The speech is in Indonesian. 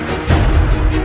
aku mau pergi